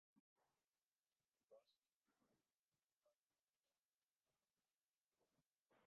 Roseville", con los miembros de la banda como anfitriones.